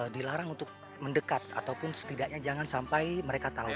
dilarang untuk mendekat ataupun setidaknya jangan sampai mereka tahu